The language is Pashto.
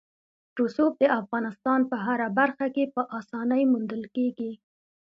رسوب د افغانستان په هره برخه کې په اسانۍ موندل کېږي.